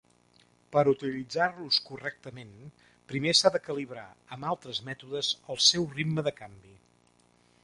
Per utilitzar-los correctament, primer s'ha de calibrar amb altres mètodes el seu ritme de canvi.